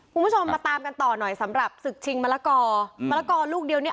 คุณผู้ชมมาตามกันต่อหน่อยสำหรับศึกชิงมะละกอมะละกอลูกเดียวเนี้ย